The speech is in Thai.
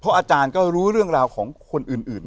อาจารย์ก็รู้เรื่องราวของคนอื่น